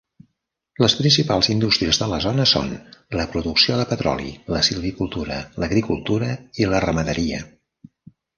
Les principals indústries de la zona són la producció de petroli, la silvicultura, l'agricultura i la ramaderia.